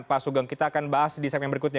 pak sugeng kita akan bahas di saat yang berikutnya